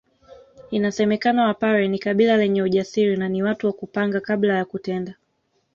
Inasemekana Wapare ni kabila lenye ujasiri na ni watu wa kupanga kabla ya kutenda